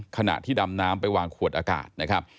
ขณะที่ดำน้ำไปวางขวดอากาศนะครับ